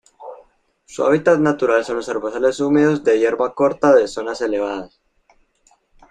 Su hábitat natural son los herbazales húmedos de hierba corta de zonas elevadas.